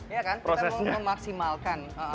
ya kan kita memaksimalkan